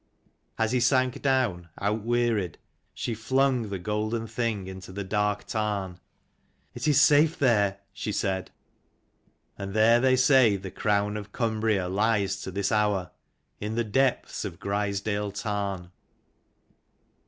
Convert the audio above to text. As he sank down, out wearied, she flung the golden thing into the dark tarn. " It is safe, there," she said. And there they say the crown of Cumbria lies to this hour, in the depths of Grizedale tarn.